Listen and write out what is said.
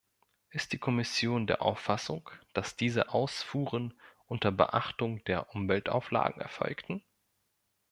Ist die Kommission der Auffassung, dass diese Ausfuhren unter Beachtung der Umweltauflagen erfolgten?